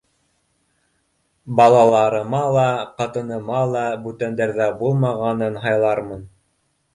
— Балаларыма ла, ҡатыныма ла бүтәндәрҙә булмағанын һайлармын.